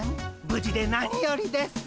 無事で何よりです。